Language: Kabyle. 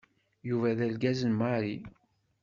Yuba d argaz n Mary.